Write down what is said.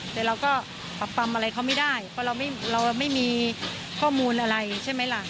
แต่เราก็ปรับปำอะไรเขาไม่ได้เพราะเราไม่มีข้อมูลอะไรใช่ไหมล่ะ